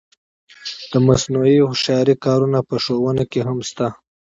د مصنوعي هوښیارۍ کارونه په ښوونه کې هم شته.